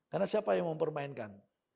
karena siapa yang mempermainkan